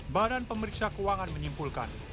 badan pemeriksa keuangan menyimpulkan